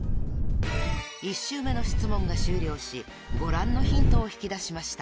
［１周目の質問が終了しご覧のヒントを引き出しました］